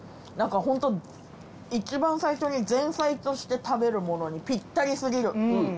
何かホント一番最初に前菜として食べるものにぴったり過ぎる。